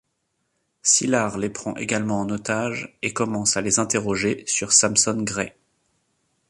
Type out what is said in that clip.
Sylar les prend également en otage, et commence à les interroger sur Samson Gray.